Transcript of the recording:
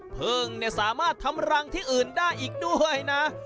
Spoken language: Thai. พึ่งเนี่ยสามารถทำรังที่อื่นได้อีกด้วยนะ